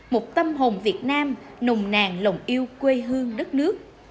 một tâm hồn việt nam nồng nàn lòng yêu quê hương đất nước